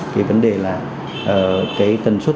cái vấn đề là cái tần suất